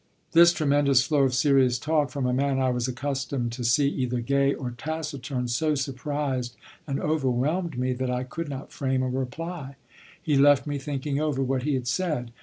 This tremendous flow of serious talk from a man I was accustomed to see either gay or taciturn so surprised and overwhelmed me that I could not frame a reply. He left me thinking over what he had said.